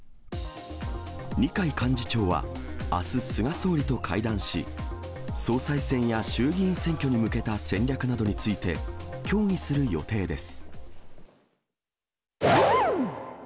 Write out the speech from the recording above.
二階幹事長は、あす菅総理と会談し、総裁選や衆議院選挙に向けた戦略などについて、協議する予定です。